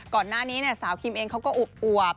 ก่อนหน้านี้สาวคิมเองเขาก็อวบ